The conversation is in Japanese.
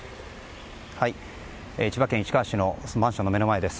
千葉県市川市のマンションの目の前です。